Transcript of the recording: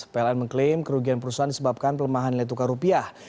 pln mengklaim kerugian perusahaan disebabkan pelemahan nilai tukar rupiah